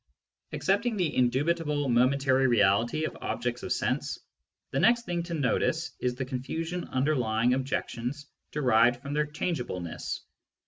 Accepting the indubitable momentary reality of objects of sense, the next thing to notice is the confusion under lying objections derived from their changeableness.